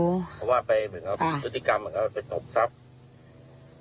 เพราะว่าไปสุธิกรรมเขาไปตบทรัพย์